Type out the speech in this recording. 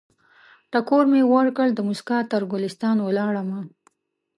ټکور مې ورکړ، دموسکا تر ګلستان ولاړمه